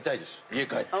家帰って。